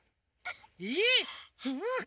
えっ？